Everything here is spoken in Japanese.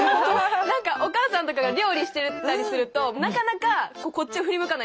何かお母さんとかが料理してたりするとなかなかこっちを振り向かないんですよ。